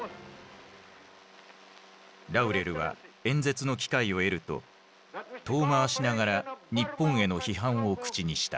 ラウレルは演説の機会を得ると遠回しながら日本への批判を口にした。